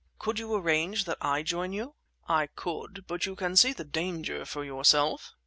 "Could you arrange that I join you?" "I could, but you can see the danger for yourself?"